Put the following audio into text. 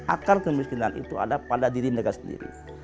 akar kemiskinan itu ada pada diri mereka sendiri